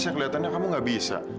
bisa keliatannya kamu gak bisa